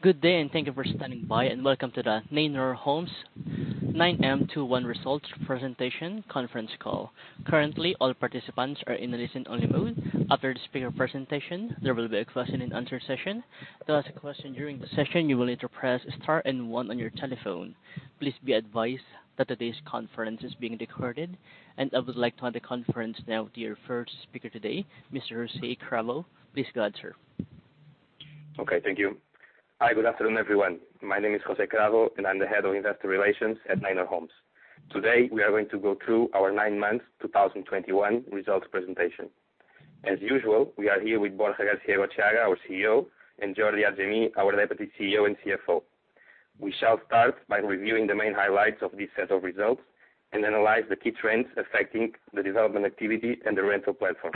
Good day and thank you for standing by, and welcome to the Neinor Homes 9M 2021 results presentation conference call. Currently, all participants are in a listen-only mode. After the speaker presentation, there will be a question and answer session. To ask a question during the session, you will need to press star and 1 on your telephone. Please be advised that today's conference is being recorded. I would like to hand the conference now to your first speaker today, Mr. José Cravo. Please go ahead, sir. Okay. Thank you. Hi, good afternoon, everyone. My name is José Cravo, and I'm the head of investor relations at Neinor Homes. Today, we are going to go through our 9 months 2021 results presentation. As usual, we are here with Borja Garcia-Egotxeaga Vergara, our CEO, and Jordi Argemí, our deputy CEO and CFO. We shall start by reviewing the main highlights of this set of results and analyze the key trends affecting the development activity and the rental platform.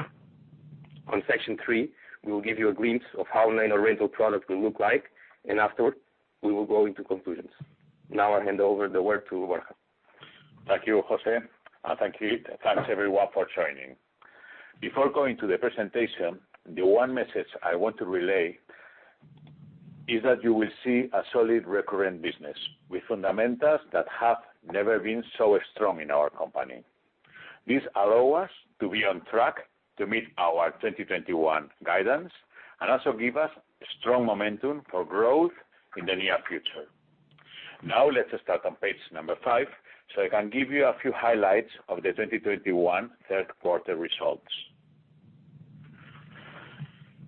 On section three, we will give you a glimpse of how Neinor Rental product will look like, and afterward, we will go into conclusions. Now I hand over the word to Borja. Thank you, José. Thank you. Thanks everyone for joining. Before going to the presentation, the one message I want to relay is that you will see a solid recurrent business with fundamentals that have never been so strong in our company. This allow us to be on track to meet our 2021 guidance and also give us strong momentum for growth in the near future. Now let's start on page 5, so I can give you a few highlights of the 2021 third quarter results.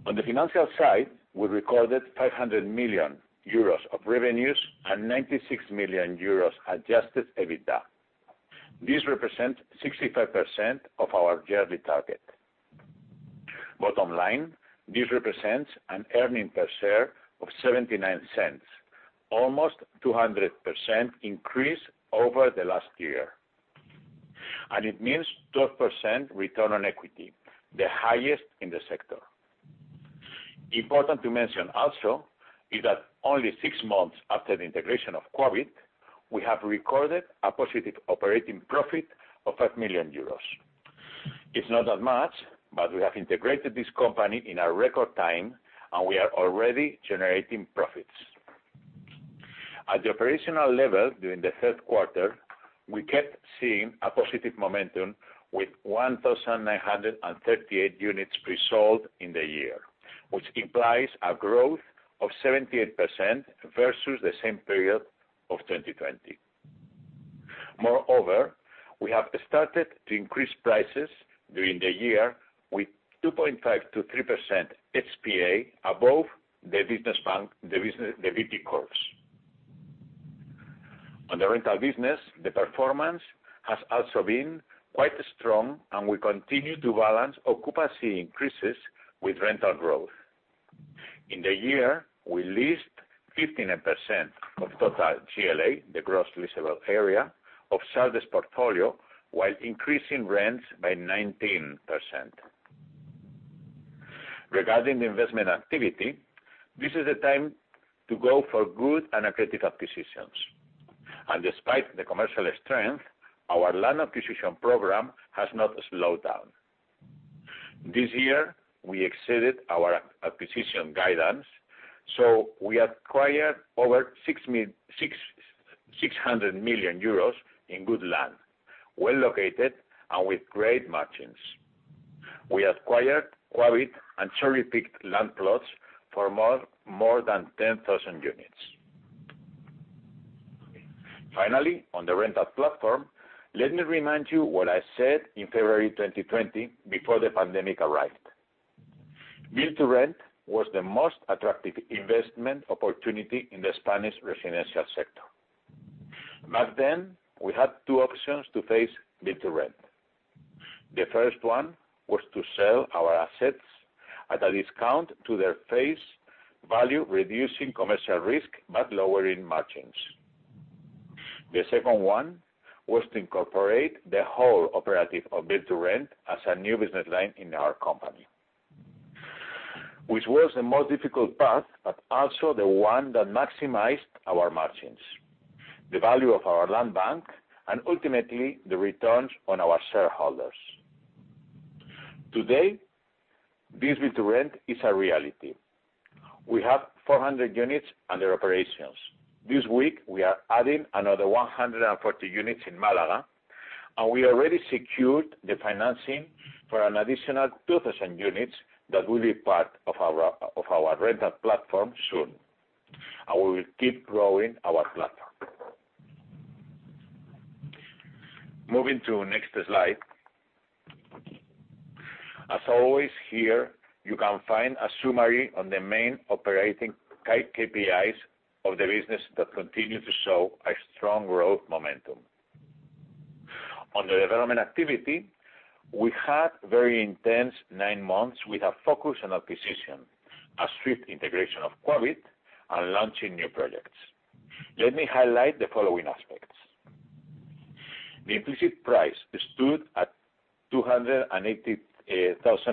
On the financial side, we recorded 500 million euros of revenues and 96 million euros adjusted EBITDA. This represents 65% of our yearly target. Bottom line, this represents an earning per share of 0.79, almost 200% increase over the last year. It means 12% return on equity, the highest in the sector. Important to mention also is that only six months after the integration of Quabit, we have recorded a positive operating profit of 5 million euros. It's not that much, but we have integrated this company in a record time, and we are already generating profits. At the operational level during the third quarter, we kept seeing a positive momentum with 1,938 units pre-sold in the year, which implies a growth of 78% versus the same period of 2020. Moreover, we have started to increase prices during the year with 2.5%-3% SPA above the business plan. On the rental business, the performance has also been quite strong, and we continue to balance occupancy increases with rental growth. In the year, we leased 15% of total GLA, the gross leasable area, of service portfolio while increasing rents by 19%. Regarding the investment activity, this is the time to go for good and accretive acquisitions. Despite the commercial strength, our land acquisition program has not slowed down. This year, we exceeded our acquisition guidance, so we acquired over 600 million euros in good land, well located and with great margins. We acquired Quabit and cherry-picked land plots for more than 10,000 units. Finally, on the rental platform, let me remind you what I said in February 2020 before the pandemic arrived. Build-to-rent was the most attractive investment opportunity in the Spanish residential sector. Back then, we had two options to face build-to-rent. The first one was to sell our assets at a discount to their face value, reducing commercial risk, but lowering margins. The second one was to incorporate the whole operation of build-to-rent as a new business line in our company, which was the most difficult path, but also the one that maximized our margins, the value of our land bank, and ultimately the returns on our shareholders. Today, this build-to-rent is a reality. We have 400 units under operations. This week, we are adding another 140 units in Málaga, and we already secured the financing for an additional 2,000 units that will be part of our of our rental platform soon, and we will keep growing our platform. Moving to next slide. As always, here you can find a summary on the main operating KPIs of the business that continue to show a strong growth momentum. On the development activity, we had very intense nine months with a focus on acquisition, a strict integration of Quabit, and launching new projects. Let me highlight the following aspects. The implicit price stood at 280,000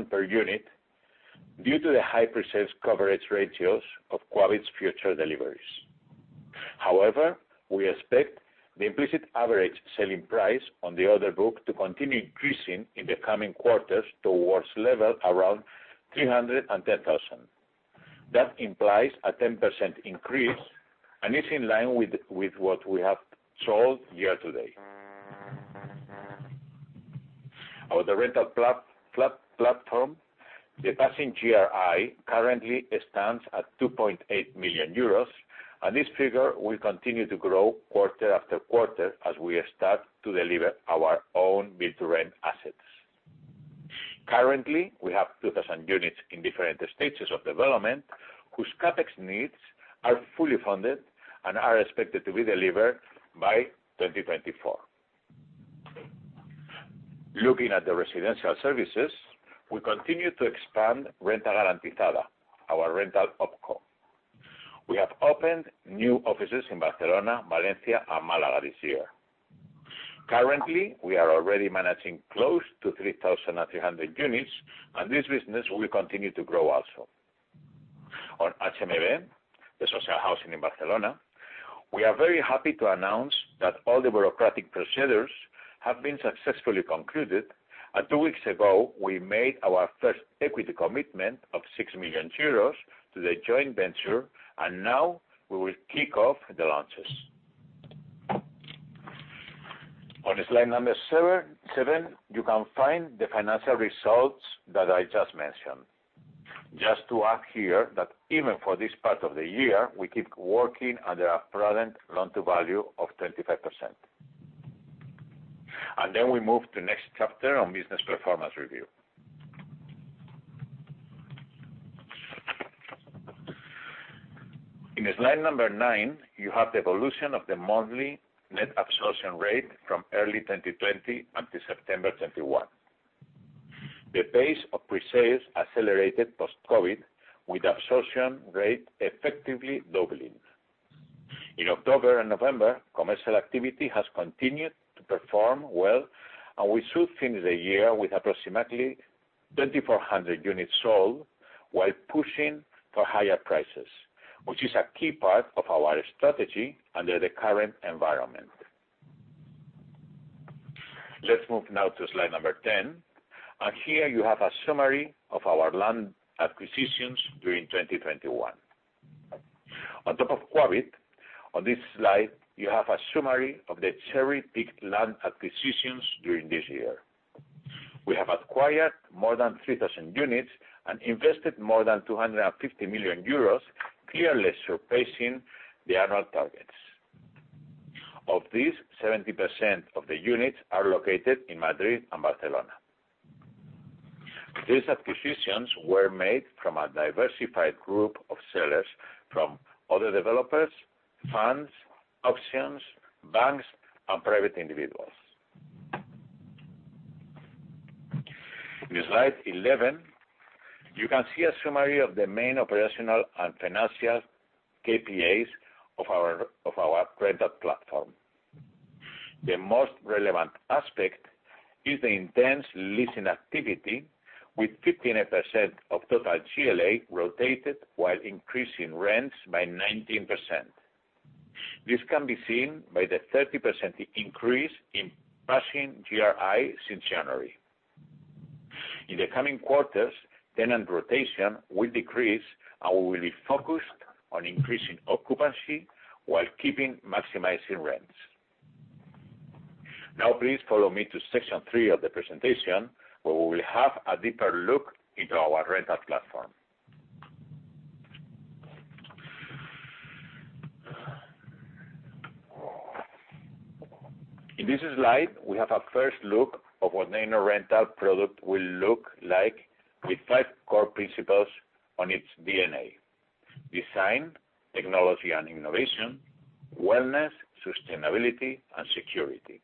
per unit due to the high percent coverage ratios of Quabit's future deliveries. However, we expect the implicit average selling price on the order book to continue increasing in the coming quarters towards a level around 310,000. That implies a 10% increase and is in line with what we have sold year-to-date. On the rental platform, the passing GRI currently stands at 2.8 million euros, and this figure will continue to grow quarter after quarter as we start to deliver our own build-to-rent assets. Currently, we have 2,000 units in different stages of development, whose CapEx needs are fully funded and are expected to be delivered by 2024. Looking at the residential services, we continue to expand Rental Garantizada, our rental OpCo. We have opened new offices in Barcelona, Valencia, and Malaga this year. Currently, we are already managing close to 3,300 units, and this business will continue to grow also. On HMB, the social housing in Barcelona, we are very happy to announce that all the bureaucratic procedures have been successfully concluded, and two weeks ago, we made our first equity commitment of 6 million euros to the joint venture, and now we will kick off the launches. On slide number 77, you can find the financial results that I just mentioned. Just to add here that even for this part of the year, we keep working under a prudent loan-to-value of 25%. We move to next chapter on business performance review. In slide number 9, you have the evolution of the monthly net absorption rate from early 2020 until September 2021. The pace of pre-sales accelerated post-COVID, with absorption rate effectively doubling. In October and November, commercial activity has continued to perform well, and we should finish the year with approximately 2,400 units sold while pushing for higher prices, which is a key part of our strategy under the current environment. Let's move now to slide 10, and here you have a summary of our land acquisitions during 2021. On top of Quabit, on this slide you have a summary of the cherry-picked land acquisitions during this year. We have acquired more than 3,000 units and invested more than 250 million euros, clearly surpassing the annual targets. Of these, 70% of the units are located in Madrid and Barcelona. These acquisitions were made from a diversified group of sellers, from other developers, funds, auctions, banks, and private individuals. In slide 11, you can see a summary of the main operational and financial KPIs of our rental platform. The most relevant aspect is the intense leasing activity with 15% of total GLA rotated while increasing rents by 19%. This can be seen by the 30% increase in passing GRI since January. In the coming quarters, tenant rotation will decrease, and we will be focused on increasing occupancy while keeping maximizing rents. Now please follow me to section 3 of the presentation, where we will have a deeper look into our rental platform. In this slide, we have a first look of what Neinor Rental product will look like with 5 core principles on its DNA, design, technology and innovation, wellness, sustainability, and security.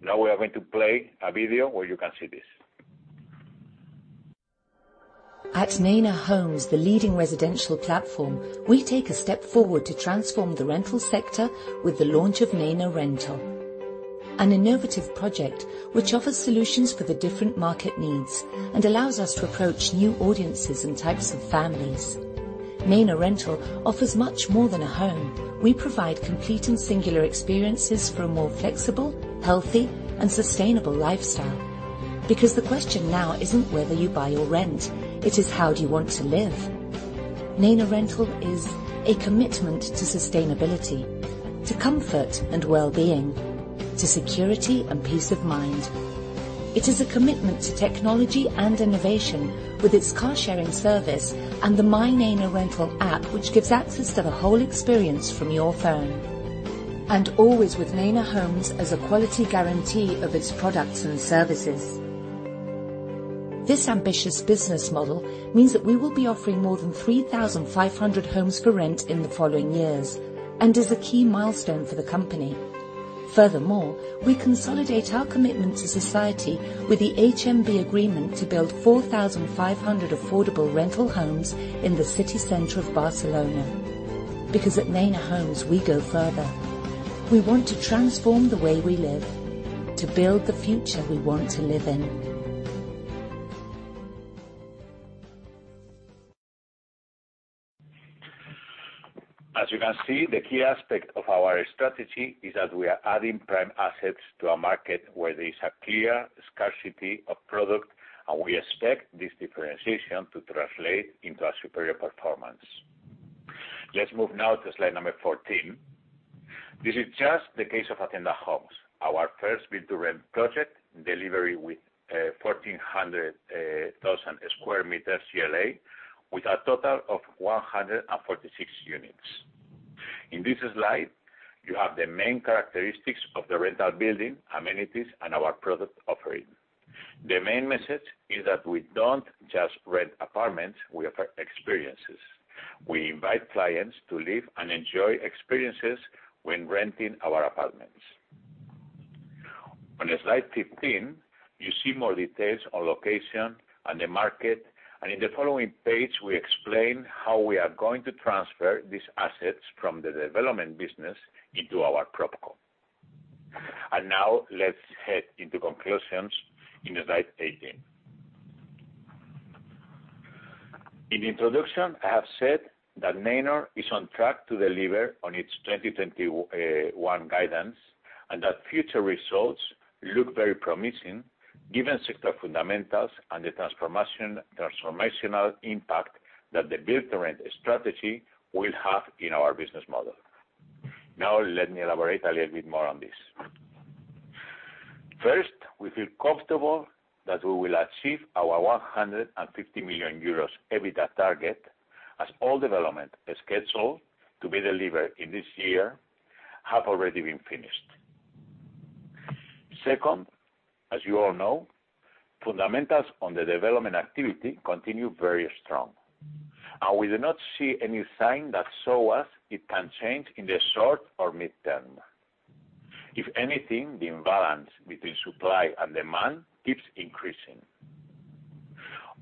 Now we are going to play a video where you can see this. At Neinor Homes, the leading residential platform, we take a step forward to transform the rental sector with the launch of Neinor Rental, an innovative project which offers solutions for the different market needs and allows us to approach new audiences and types of families. Neinor Rental offers much more than a home. We provide complete and singular experiences for a more flexible, healthy, and sustainable lifestyle. Because the question now isn't whether you buy or rent, it is how do you want to live? Neinor Rental is a commitment to sustainability, to comfort and well-being, to security and peace of mind. It is a commitment to technology and innovation with its car-sharing service and the MyNeinor Rental app, which gives access to the whole experience from your phone. Always with Neinor Homes as a quality guarantee of its products and services. This ambitious business model means that we will be offering more than 3,500 homes for rent in the following years and is a key milestone for the company. Furthermore, we consolidate our commitment to society with the IMPSOL agreement to build 4,500 affordable rental homes in the city center of Barcelona. Because at Neinor Homes, we go further. We want to transform the way we live, to build the future we want to live in. As you can see, the key aspect of our strategy is that we are adding prime assets to a market where there is a clear scarcity of product, and we expect this differentiation to translate into a superior performance. Let's move now to slide number 14. This is just the case of Attenda Homes, our first build-to-rent project delivery with 1,400,000 sq m GLA, with a total of 146 units. In this slide, you have the main characteristics of the rental building, amenities, and our product offering. The main message is that we don't just rent apartments, we offer experiences. We invite clients to live and enjoy experiences when renting our apartments. On slide 15, you see more details on location and the market, and in the following page, we explain how we are going to transfer these assets from the development business into our PropCo. Now let's head into conclusions in slide 18. In introduction, I have said that Neinor is on track to deliver on its 2021 guidance and that future results look very promising given sector fundamentals and the transformational impact that the build-to-rent strategy will have in our business model. Now let me elaborate a little bit more on this. First, we feel comfortable that we will achieve our 150 million euros EBITDA target as all development scheduled to be delivered in this year have already been finished. Second, as you all know, fundamentals on the development activity continue very strong, and we do not see any sign that show us it can change in the short or mid-term. If anything, the imbalance between supply and demand keeps increasing.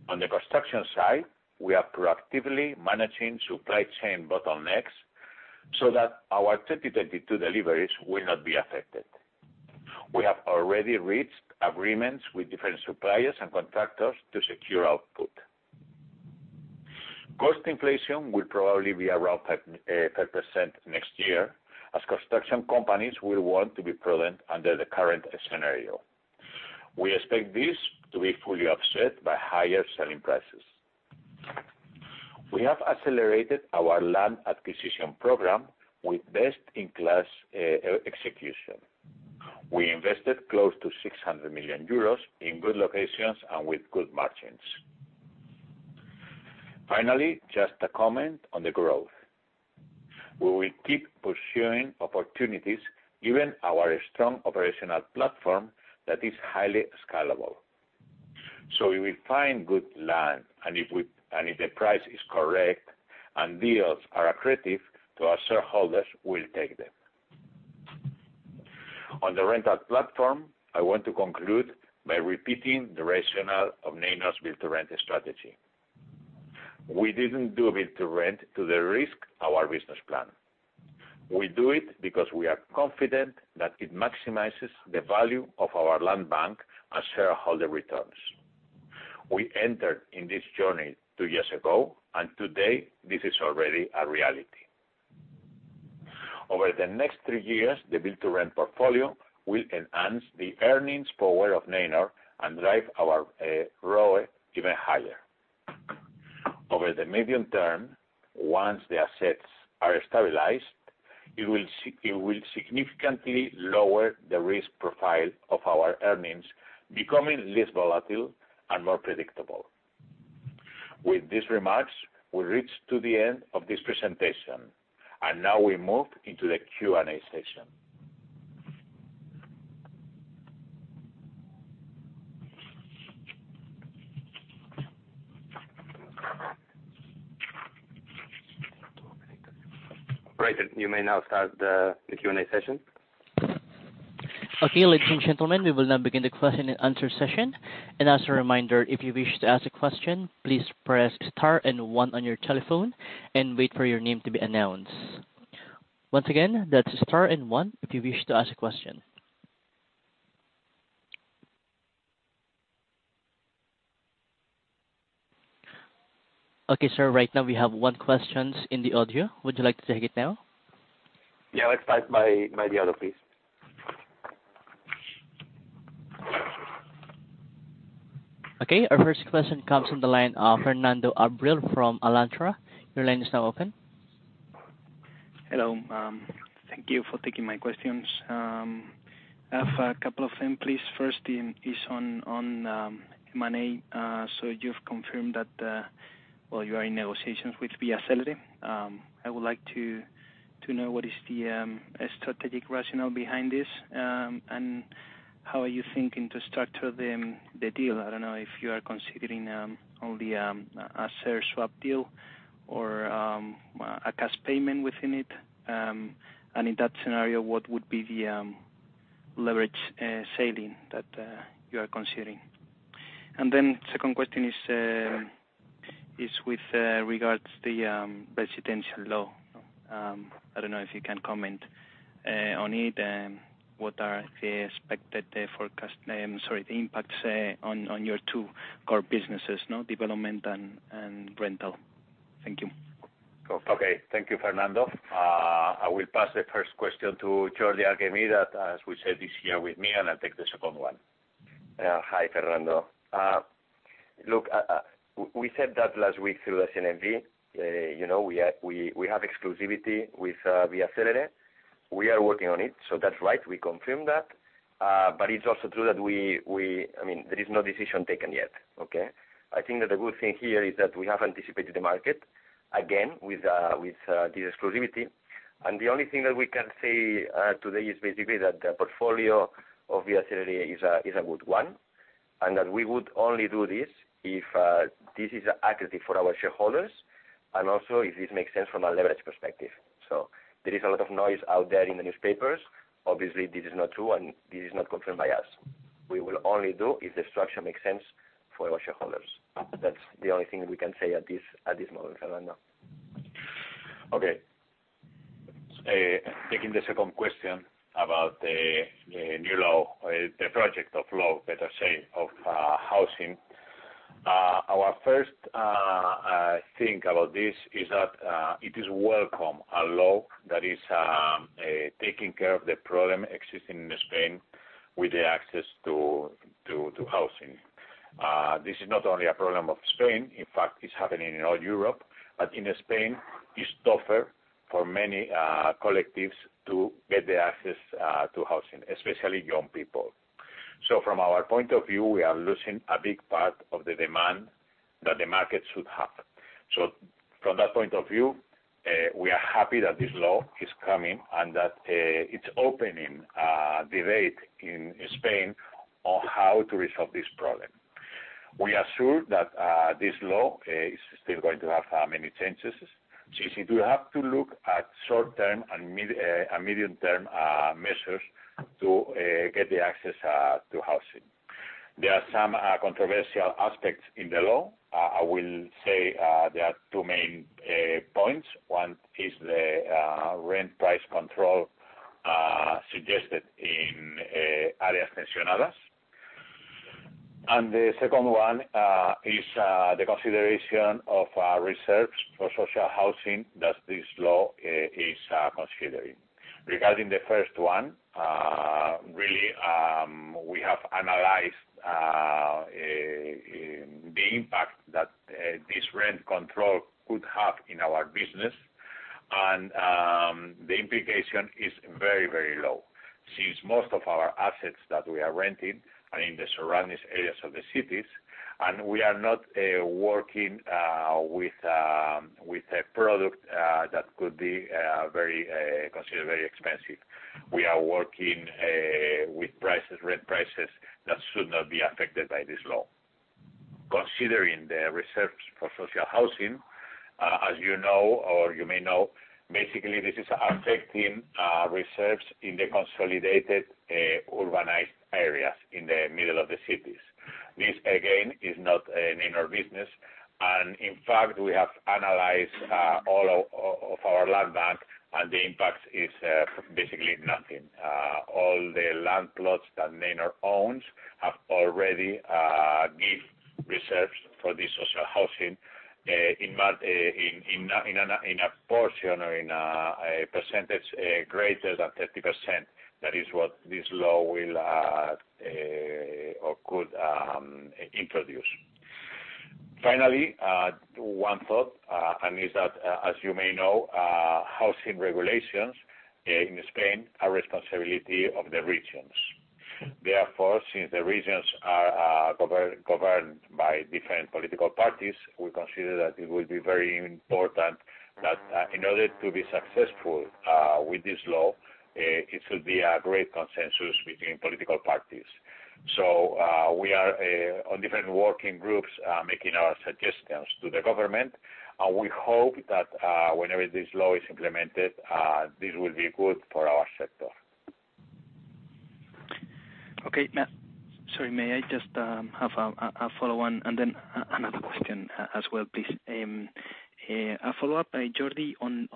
On the construction side, we are proactively managing supply chain bottlenecks so that our 2022 deliveries will not be affected. We have already reached agreements with different suppliers and contractors to secure output. Cost inflation will probably be around 13% next year as construction companies will want to be prudent under the current scenario. We expect this to be fully offset by higher selling prices. We have accelerated our land acquisition program with best-in-class execution. We invested close to 600 million euros in good locations and with good margins. Finally, just a comment on the growth. We will keep pursuing opportunities given our strong operational platform that is highly scalable. We will find good land, and if the price is correct and deals are accretive to our shareholders, we'll take them. On the rental platform, I want to conclude by repeating the rationale of Neinor's build-to-rent strategy. We didn't do build-to-rent to de-risk our business plan. We do it because we are confident that it maximizes the value of our land bank and shareholder returns. We entered in this journey two years ago, and today this is already a reality. Over the next three years, the build-to-rent portfolio will enhance the earnings power of Neinor and drive our ROE even higher. Over the medium term, once the assets are stabilized, it will significantly lower the risk profile of our earnings, becoming less volatile and more predictable. With these remarks, we reach to the end of this presentation, and now we move into the Q&A session. Operator, you may now start the Q&A session. Okay, ladies and gentlemen, we will now begin the question and answer session. As a reminder, if you wish to ask a question, please press star and one on your telephone and wait for your name to be announced. Once again, that's star and one if you wish to ask a question. Okay, sir. Right now, we have one question in the audio. Would you like to take it now? Yeah. Let's start by the other, please. Okay. Our first question comes from the line of Fernando Abril-Martorell from Alantra. Your line is now open. Hello. Thank you for taking my questions. I have a couple of them, please. First is on M&A. You've confirmed that you are in negotiations with Vía Célere. I would like to know what is the strategic rationale behind this, and how are you thinking to structure the deal. I don't know if you are considering only a share swap deal or a cash payment within it. In that scenario, what would be the leverage saving that you are considering. Second question is with regards to the residential law. I don't know if you can comment on it. What are the expected impacts on your two core businesses, development and rental. Thank you. Okay. Thank you, Fernando. I will pass the first question to Jordi Argemí, that, as we said, is here with me, and I'll take the second one. Hi, Fernando. Look, we said that last week through CNMV. You know, we have exclusivity with Vía Célere. We are working on it, so that's right, we confirm that. But it's also true that we. I mean, there is no decision taken yet. Okay. I think that the good thing here is that we have anticipated the market again with this exclusivity. The only thing that we can say today is basically that the portfolio of Vía Célere is a good one, and that we would only do this if this is accurate for our shareholders and also if this makes sense from a leverage perspective. There is a lot of noise out there in the newspapers. Obviously, this is not true, and this is not confirmed by us. We will only do if the structure makes sense for our shareholders. That's the only thing we can say at this moment, Fernando. Okay. Taking the second question about the new law, the project of law, better say, of housing. Our first thought about this is that it is welcome, a law that is taking care of the problem existing in Spain with the access to housing. This is not only a problem of Spain, in fact, it's happening in all Europe. In Spain, it's tougher for many collectives to get the access to housing, especially young people. From our point of view, we are losing a big part of the demand that the market should have. From that point of view, we are happy that this law is coming and that it's opening a debate in Spain on how to resolve this problem. We are sure that this law is still going to have many changes. Since you have to look at short-term and medium-term measures to get the access to housing. There are some controversial aspects in the law. I will say there are two main points. One is the rent price control suggested in Areas Funcionales. The second one is the consideration of reserves for social housing that this law is considering. Regarding the first one, really, we have analyzed the impact that this rent control could have in our business. The implication is very, very low, since most of our assets that we are renting are in the surrounding areas of the cities, and we are not working with a product that could be considered very expensive. We are working with prices, rent prices that should not be affected by this law. Considering the reserves for social housing, as you know, or you may know, basically this is affecting reserves in the consolidated urbanized areas in the middle of the cities. This, again, is not in our business. In fact, we have analyzed all of our land bank, and the impact is basically nothing. All the land plots that Neinor owns have already given reserves for this social housing in a portion or in a percentage greater than 30%. That is what this law will or could introduce. Finally, one thought is that as you may know, housing regulations in Spain are responsibility of the regions. Therefore, since the regions are governed by different political parties, we consider that it will be very important that in order to be successful with this law it should be a great consensus between political parties. We are on different working groups making our suggestions to the government. We hope that whenever this law is implemented this will be good for our sector. Okay. Sorry, may I just have a follow-on and then another question as well, please? A follow-up by Jordi on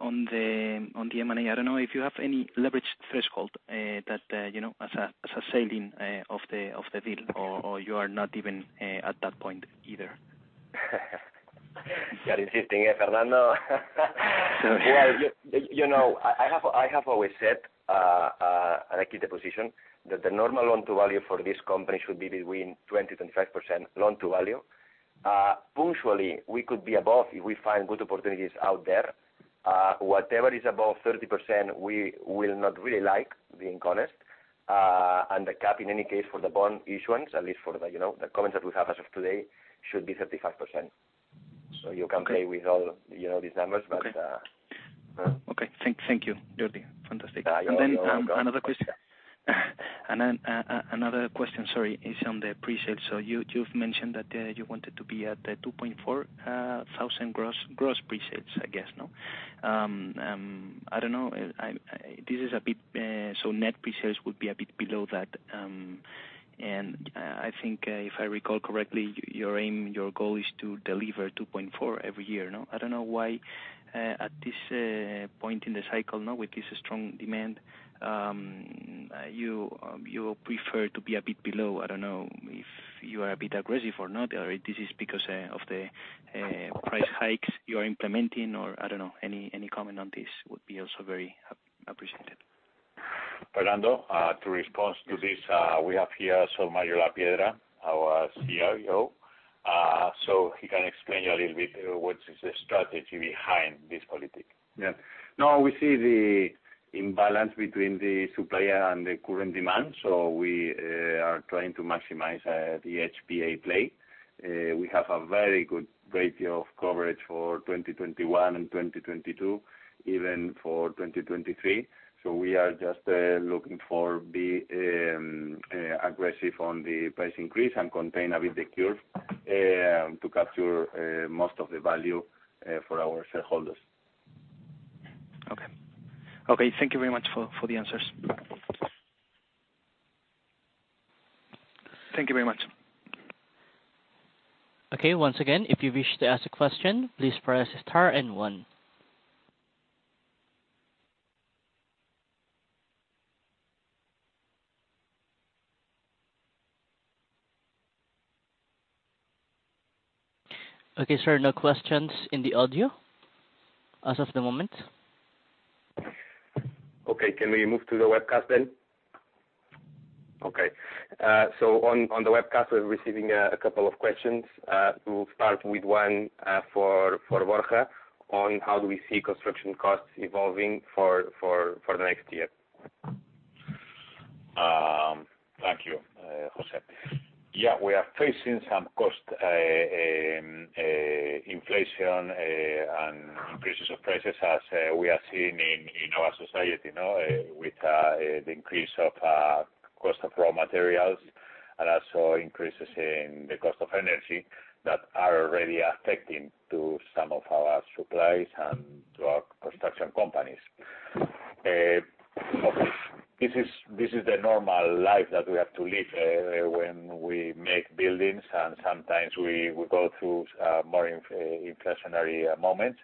the M&A. I don't know if you have any leverage threshold that you know as a ceiling of the deal or you are not even at that point either. You are insisting, eh, Fernando? Sorry. Well, you know, I have always said, and I keep the position, that the normal loan-to-value for this company should be between 20-25% loan-to-value. Punctually, we could be above if we find good opportunities out there. Whatever is above 30%, we will not really like, being honest. The cap, in any case, for the bond issuance, at least for, you know, the comments that we have as of today, should be 35%. You can play with all, you know, these numbers, but. Okay. Thank you, Jordi. Fantastic. You are welcome. Another question, sorry, is on the pre-sales. You've mentioned that you wanted to be at 2,400 gross pre-sales, I guess, no? I don't know. This is a bit, net pre-sales would be a bit below that, and I think, if I recall correctly, your aim, your goal is to deliver 2.4 every year, no? I don't know why, at this point in the cycle, no, with this strong demand, you prefer to be a bit below. I don't know if you are a bit aggressive or not, or this is because of the price hikes you are implementing or I don't know. Any comment on this would be also very appreciated. Fernando, to respond to this, we have here Mario Lapiedra, our CIO. He can explain you a little bit what is the strategy behind this policy. Yeah. Now we see the imbalance between the supply and the current demand. We are trying to maximize the HPA play. We have a very good ratio of coverage for 2021 and 2022, even for 2023. We are just looking to be aggressive on the price increase and contain a bit the curve to capture most of the value for our shareholders. Okay, thank you very much for the answers. Thank you very much. Okay. Once again, if you wish to ask a question, please press star and one. Okay, sir, no questions in the audio as of the moment. Can we move to the webcast then? On the webcast, we're receiving a couple of questions. We'll start with one for Borja on how do we see construction costs evolving for the next year. Thank you, José. Yeah, we are facing some cost inflation and increases of prices as we are seeing in our society, you know, with the increase of cost of raw materials and also increases in the cost of energy that are really affecting to some of our suppliers and to our construction companies. This is the normal life that we have to live when we make buildings, and sometimes we go through more inflationary moments.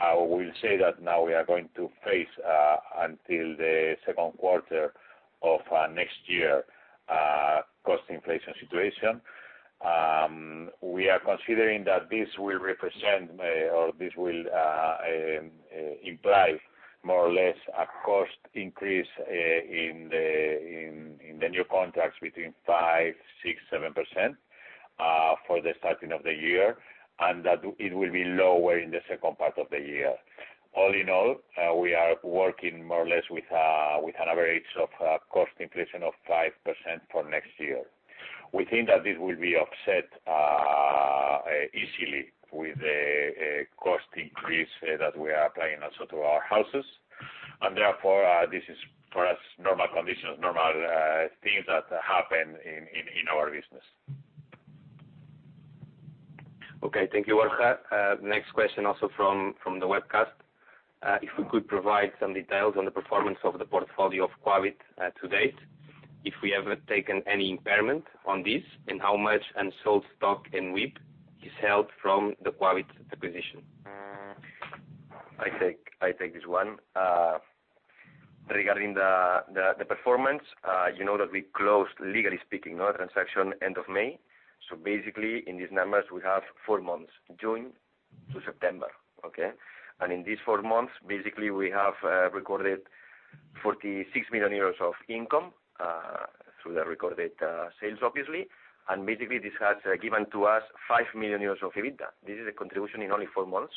We'll say that now we are going to face until the second quarter of next year cost inflation situation. We are considering that this will represent or this will imply more or less a cost increase in the new contracts between 5%-7% for the starting of the year, and that it will be lower in the second part of the year. All in all, we are working more or less with an average of a cost inflation of 5% for next year. We think that this will be offset easily with a cost increase that we are applying also to our houses. Therefore, this is for us normal conditions, normal things that happen in our business. Thank you, Borja. Next question also from the webcast. If we could provide some details on the performance of the portfolio of Quabit to date, if we have taken any impairment on this, and how much unsold stock in WIP is held from the Quabit acquisition. I take this one. Regarding the performance, you know that we closed, legally speaking, the transaction end of May. Basically, in these numbers, we have four months, June to September. Okay? In these four months, basically, we have recorded 46 million euros of income through recorded sales, obviously. Basically, this has given to us 5 million euros of EBITDA. This is a contribution in only four months.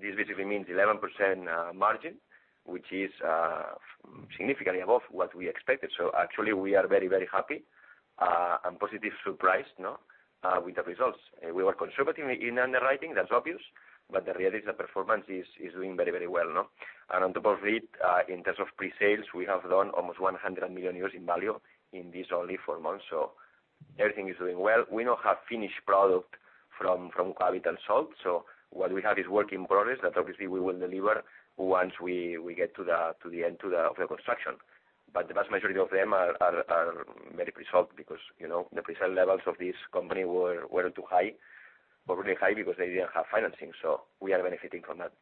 This basically means 11% margin, which is significantly above what we expected. Actually, we are very, very happy and positively surprised with the results. We were conservative in underwriting, that's obvious, but the reality is the performance is doing very, very well. In terms of pre-sales, we have done almost 100 million euros in value in these only 4 months. Everything is doing well. We don't have finished product from Quabit and Salt. What we have is work in progress that obviously we will deliver once we get to the end of the construction. But the vast majority of them are very pre-sold because, you know, the pre-sale levels of this company were too high or really high because they didn't have financing. We are benefiting from that.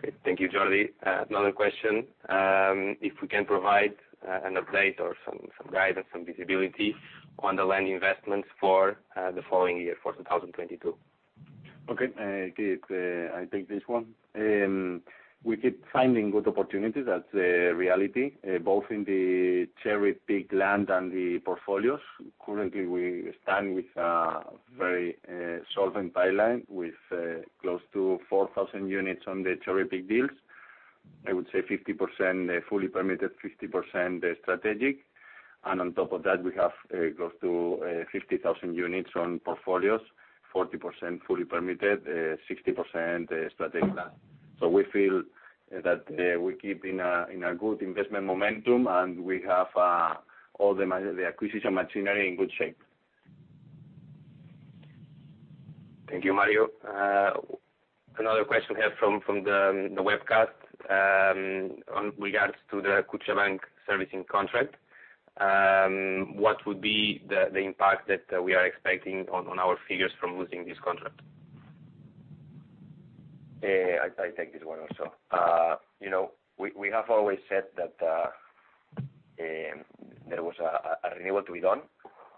Okay. Thank you, Jordi. Another question, if we can provide an update or some guidance, some visibility on the land investments for the following year, for 2022. Okay. Kieth, I take this one. We keep finding good opportunities, that's the reality, both in the cherry-picked land and the portfolios. Currently, we stand with a very solvent pipeline with close to 4,000 units on the cherry-picked deals. I would say 50% fully permitted, 50% strategic. On top of that, we have close to 50,000 units on portfolios, 40% fully permitted, 60% strategic. We feel that we keep in a good investment momentum, and we have all the acquisition machinery in good shape. Thank you, Mario. Another question we have from the webcast regarding the Kutxabank servicing contract. What would be the impact that we are expecting on our figures from losing this contract? I take this one also. You know, we have always said that there was a renewal to be done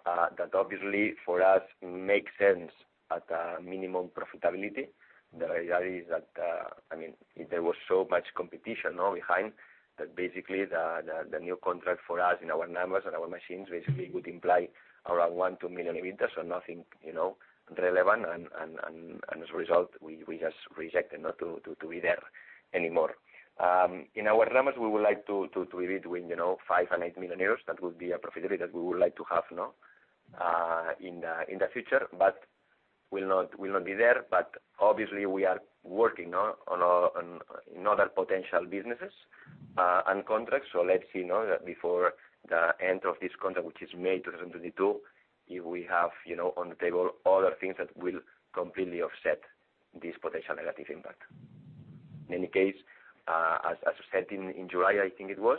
that obviously for us makes sense at a minimum profitability. The reality is that, I mean, there was so much competition behind that. Basically the new contract for us in our numbers and our margins basically would imply around 1 million to EUR 2 million, so nothing relevant, you know, and as a result, we just rejected not to be there anymore. In our numbers, we would like to be between, you know, 5 million and 8 million euros. That would be a profitability that we would like to have in the future, but will not be there. Obviously we are working on other potential businesses and contracts. Let's see that before the end of this contract, which is May 2022, if we have you know on the table other things that will completely offset this potential negative impact. In any case, as you said, in July, I think it was,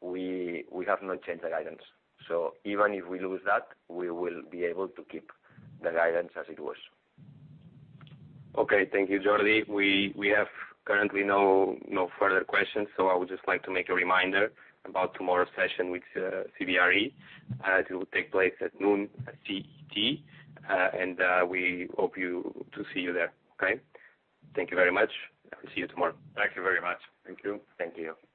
we have not changed the guidance. Even if we lose that, we will be able to keep the guidance as it was. Okay. Thank you, Jordi. We have currently no further questions, so I would just like to make a reminder about tomorrow's session with CBRE. It will take place at 12:00 P.M. CET, and we hope to see you there. Okay? Thank you very much, and we'll see you tomorrow. Thank you very much. Thank you. Thank you.